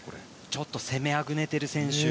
ちょっと攻めあぐねている選手。